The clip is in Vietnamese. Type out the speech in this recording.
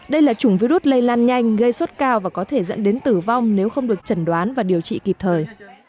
đây là chủng virus lây lan nhanh gây sốt cao và có thể dẫn đến tử vong nếu không được chẩn đoán và điều trị kịp thời